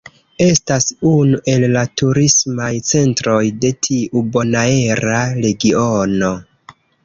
Estas unu el la turismaj centroj de tiu bonaera regiono.